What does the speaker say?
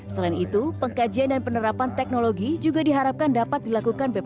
selain itu pengkajian dan penerapan teknologi juga diharapkan dapat dilakukan bpjs